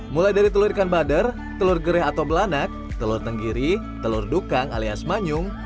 mulai dari telur ikan badar telur gereh atau belanak telur tenggiri telur dukang alias manyung